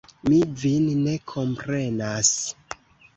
Mi vin ne komprenas!